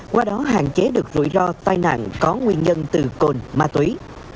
qua đó hạn chế được rủi ro tai nạn có nguyên nhân từ cồn ma túy